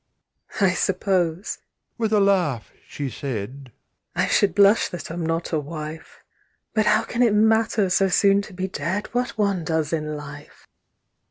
"I suppose," with a laugh, she said, "I should blush that I'm not a wife; But how can it matter, so soon to be dead, What one does in life!"